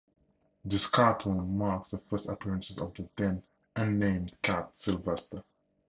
This cartoon marks the first appearance of the then-unnamed cat Sylvester.